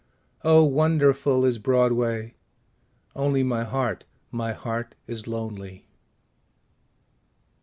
Oh wonderful is Broadway only My heart, my heart is lonely.